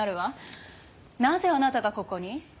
なぜあなたがここに？